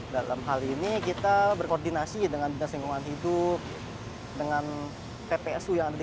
dalam hal ini kita berkoordinasi dengan dinas lingkungan hidup dengan ppsu yang ada di